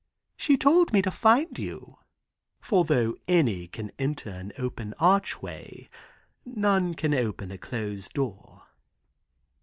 She told me to find you, for though any can enter an open archway, none can open a closed door."